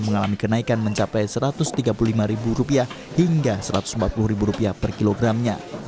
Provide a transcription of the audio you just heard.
mengalami kenaikan mencapai rp satu ratus tiga puluh lima hingga rp satu ratus empat puluh per kilogramnya